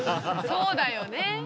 そうだよね。